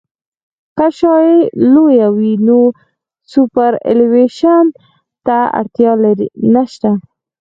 که شعاع لویه وي نو سوپرایلیویشن ته اړتیا نشته